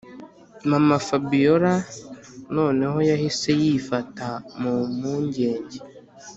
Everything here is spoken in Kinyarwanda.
mama-fabiora noneho yahise yifata mumpungege